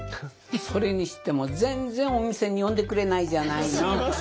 それにしても全然お店に呼んでくれないじゃないの！